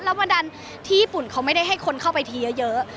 แล้ววันนั้นที่ญี่ปุ่นเขาไม่ได้ให้คนเข้าไปทีเยอะ